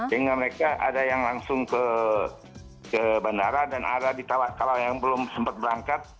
sehingga mereka ada yang langsung ke bandara dan ada di kalau yang belum sempat berangkat